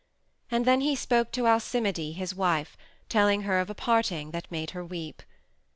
And then he spoke to Alcimide, his wife, telling her of a parting that made her weep.